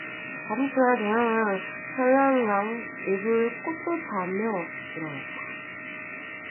밤중에 동혁은 별안간 이불을 걷어차며 일어났다.